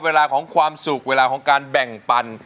เวลาของความสุขเวลาของการแบ่งปัน